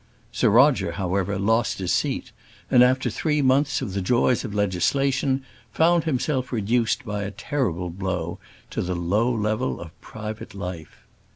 Sir Roger, however, lost his seat, and, after three months of the joys of legislation, found himself reduced by a terrible blow to the low level of private life.